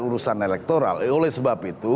urusan elektoral oleh sebab itu